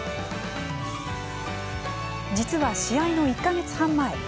実は、試合の１か月半前。